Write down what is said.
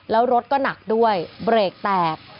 แล้วรถก็หนักด้วยเบรกแตก